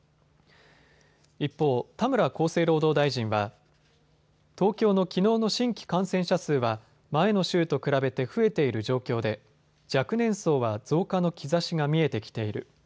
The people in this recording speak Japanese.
一方、田村厚生労働大臣は東京のきのうの新規感染者数は、前の週と比べて増えている状況で若年層は増加の兆しが見えてきている。